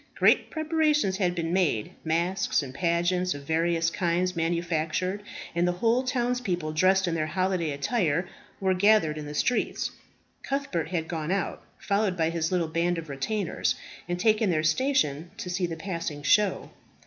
Great preparations had been made; masques and pageants of various kinds manufactured; and the whole townspeople, dressed in their holiday attire, were gathered in the streets. Cuthbert had gone out, followed by his little band of retainers, and taken their station to see the passing show.